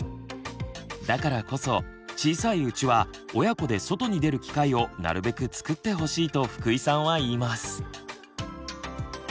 だからこそ小さいうちは親子で外に出る機会をなるべくつくってほしいと福井さんは言います。